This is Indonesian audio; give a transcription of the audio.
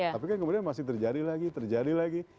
tapi kan kemudian masih terjadi lagi terjadi lagi